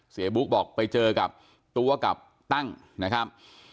บุ๊กบอกไปเจอกับตัวกับตั้งนะครับ